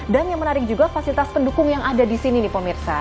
dan yang menarik juga fasilitas pendukung yang ada di sini nih pak mirsa